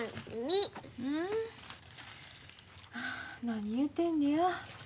何言うてんのや。